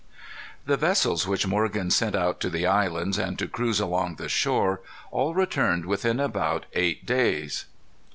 The vessels which Morgan sent out to the islands, and to cruise along the shore, all returned within about eight days.